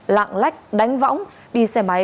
lạng lách đánh võng đi xe máy